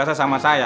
sayang nam juga